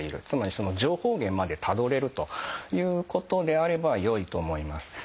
つまりその情報源までたどれるということであれば良いと思います。